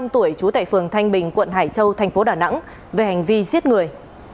bốn mươi tuổi trú tại phường thanh bình quận hải châu thành phố đà nẵng về hành vi giết người